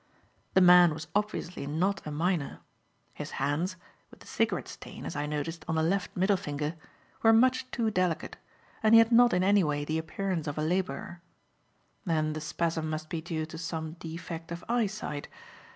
The man was obviously not a miner. His hands with a cigarette stain, as I noticed, on the left middle finger were much too delicate, and he had not in any way the appearance of a labourer. Then the spasm must be due to some defect of eyesight.